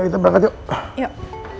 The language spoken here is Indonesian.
ya kita berangkat yuk yuk